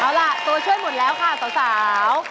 เอาล่ะตัวช่วยหมดแล้วค่ะสาว